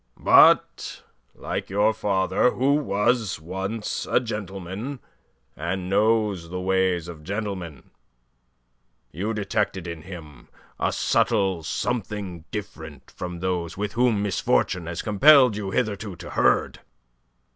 But like your father, who was once a gentleman, and knows the ways of gentlemen, you detected in him a subtle something different from those with whom misfortune has compelled you hitherto to herd.